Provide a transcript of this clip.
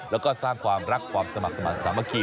และกับที่สร้างความรักความสมัครสามัคคี